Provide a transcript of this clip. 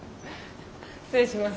失礼します。